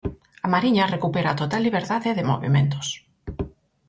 A Mariña recupera a total liberdade de movementos.